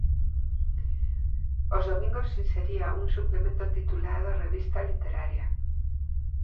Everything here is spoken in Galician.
Os domingos insería un suplemento titulado "Revista Literaria".